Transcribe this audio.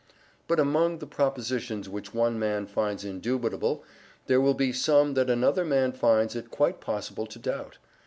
But among the propositions which one man finds indubitable there will be some that another man finds it quite possible to doubt.